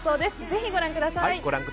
ぜひご覧ください。